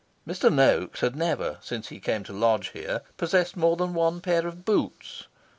Mr. Noaks had never, since he came to lodge here, possessed more than one pair of boots.